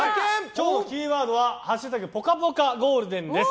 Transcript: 今日のキーワードは「＃ぽかぽかゴールデン」です。